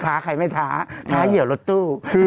ใครไม่ท้าท้าเหี่ยวรถตู้